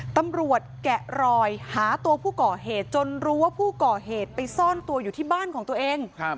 แกะรอยหาตัวผู้ก่อเหตุจนรู้ว่าผู้ก่อเหตุไปซ่อนตัวอยู่ที่บ้านของตัวเอง